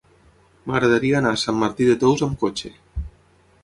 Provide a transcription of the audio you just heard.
M'agradaria anar a Sant Martí de Tous amb cotxe.